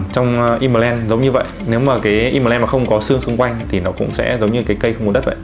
trong implant giống như vậy nếu mà cái implant mà không có xương xung quanh thì nó cũng sẽ giống như cái cây không có đất vậy